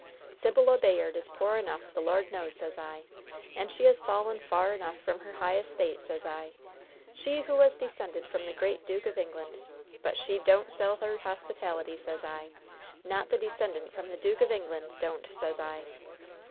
Sybilla Bayard is poor enough, the Lord knows, sez I! And she has fallen far enough from her high estate, sez I! She who was descended from the great Duke of England; but she don't sell her hospitality, sez I! Not the descendant from the Duke of England don't, sez I!"